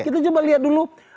kita coba lihat dulu